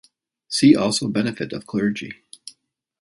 See also benefit of clergy.